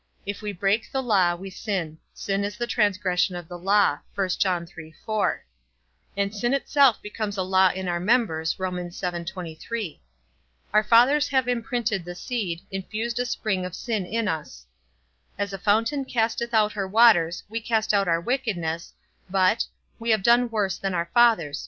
If we break the law, we sin; sin is the transgression of the law; and sin itself becomes a law in our members. Our fathers have imprinted the seed, infused a spring of sin in us. As a fountain casteth out her waters, we cast out our wickedness, but we have done worse than our fathers.